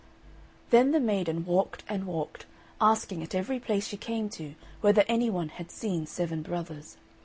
Then the maiden walked and walked, asking at every place she came to whether any one had seen seven brothers.